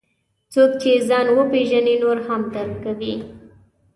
څوک چې ځان وپېژني، نور هم درک کوي.